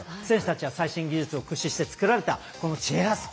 選手たちは最新技術を駆使して作られたチェア